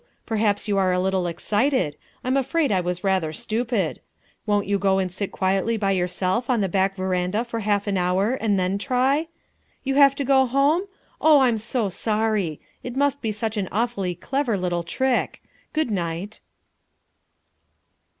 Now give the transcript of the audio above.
Perhaps you are a little excited I'm afraid I was rather stupid. Won't you go and sit quietly by yourself on the back verandah for half an hour and then try? You have to go home? Oh, I'm so sorry. It must be such an awfully clever little trick. Good night!"